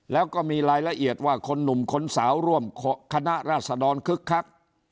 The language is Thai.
แล้วก็มีรายละเอียดว่าคนหนุ่มคนสาวร่วมคณะราษดรคึกคัก